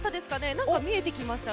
なんか、見えてきましたよ。